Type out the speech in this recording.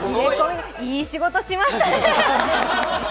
いい仕事しますね。